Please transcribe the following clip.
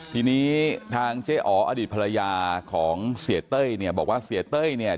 ทีนี้ทางเจ๊อ๋ออดีตภรรยาของเสียเต้ยเนี่ยบอกว่าเสียเต้ยเนี่ย